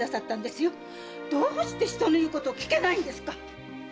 どうして人の言うことを聞けないんですか？